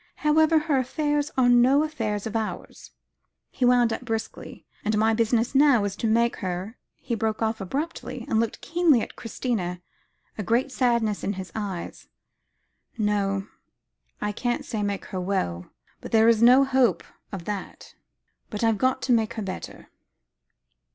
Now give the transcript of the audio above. However, her affairs are no affair of ours," he wound up briskly, "and my business now is to make her " he broke off abruptly, and looked keenly at Christina, a great sadness in his eyes. "No, I can't say 'make her well'; there is no hope of that; but I've got to make her better."